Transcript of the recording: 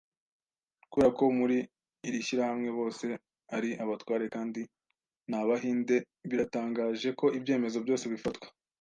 Kubera ko muri iri shyirahamwe bose ari abatware kandi nta bahinde, biratangaje ko ibyemezo byose bifatwa.